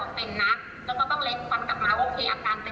พอจากนี้เขาจะไปโรงพยาบาลสนับให้แอร์อัพค่ะ